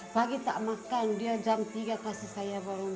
pagi tak makan dia jam tiga kasih saya baru